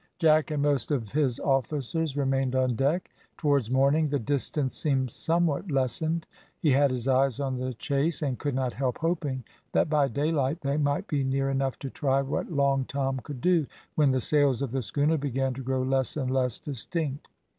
Jack and most of his officers remained on deck. Towards morning the distance seemed somewhat lessened. He had his eyes on the chase, and could not help hoping that by daylight they might be near enough to try what Long Tom could do, when the sails of the schooner began to grow less and less distinct.